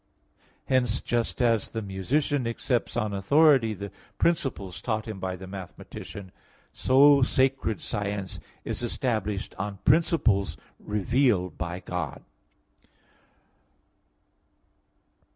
Hence, just as the musician accepts on authority the principles taught him by the mathematician, so sacred science is established on principles revealed by God.